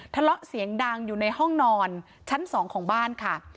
ทะเลาะเสียงดังอยู่ในห้องนอนชั้น๒ของบ้านค่ะ